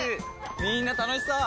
みんな楽しそう！